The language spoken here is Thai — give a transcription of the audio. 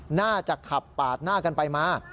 น่าจะขับปาดหน้ากันไปมา